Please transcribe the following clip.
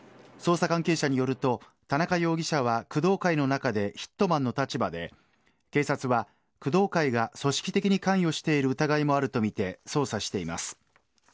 捜査関係者によると田中容疑者は工藤会の中でヒットマンの立場で警察は工藤会が組織的に関与している疑いもあるとみて捜査しています。